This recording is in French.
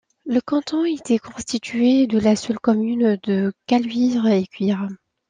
Le canton était constitué de la seule commune de Caluire-et-Cuire.